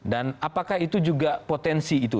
dan apakah itu juga potensi itu